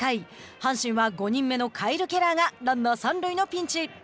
阪神は５人目のカイル・ケラーがランナー三塁のピンチ。